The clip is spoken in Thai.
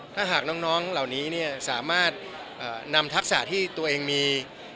ถ้าหากน้องเหล่านี้สามารถนำทักษะที่ตัวเองมี